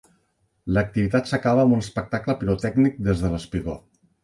L'activitat s'acaba amb un espectacle pirotècnic des de l'espigó.